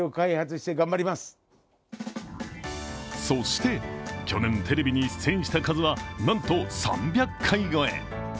そして、去年テレビに出演した数は、なんと３００回超え。